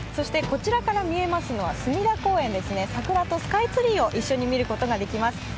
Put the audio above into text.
こちらから見えますのは隅田公園、桜とスカイツリーを一緒に見ることができます。